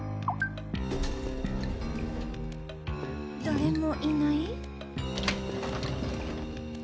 誰もいない？